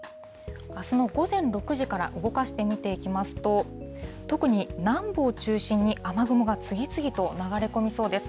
あすの午前６時から動かして見ていきますと、特に南部を中心に雨雲が次々と流れ込みそうです。